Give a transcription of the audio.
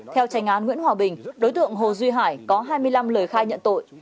theo tranh án nguyễn hòa bình đối tượng hồ duy hải có hai mươi năm lời khai nhận tội